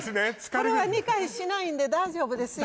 これは２回しないんで大丈夫ですよ